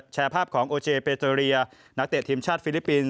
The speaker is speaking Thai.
แชร์ภาพของโอเจเปอเรียนักเตะทีมชาติฟิลิปปินส